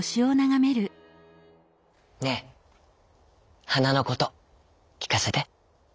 「ねえはなのこときかせて」。